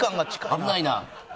危ないな。